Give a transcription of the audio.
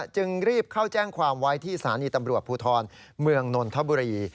จึงรีบเข้าแจ้งความไว้ที่สถานีตำรวจภูทรเมืองนนทบุรี